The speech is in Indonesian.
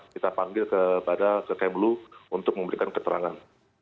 kita panggil kepada kementerian luar negeri untuk memberikan keterangan